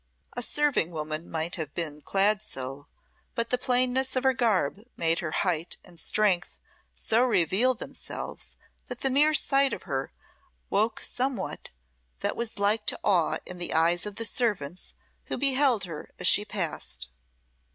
A serving woman might have been clad so; but the plainness of her garb but made her height, and strength, so reveal themselves, that the mere sight of her woke somewhat that was like to awe in the eyes of the servants who beheld her as she passed.